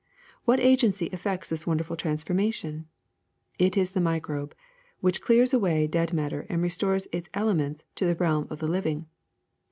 What agency effects this wonderful transformation? It is the microbe, which clears away dead matter and restores its elements to the realm of the living.